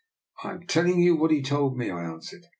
"" I am telling you what he told me," I answered.